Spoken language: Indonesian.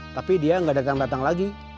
tapi dia gak dekan datang lagi